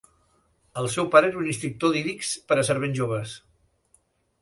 El seu pare era un instructor d'ídix per a servents joves.